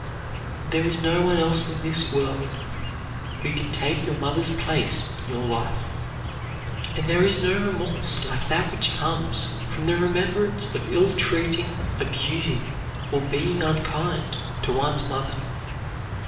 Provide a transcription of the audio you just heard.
There is no one else in this world who can take your mother's place in your life. And there is no remorse like that which comes from the remembrance of ill treating, abusing, or being unkind to one's mother.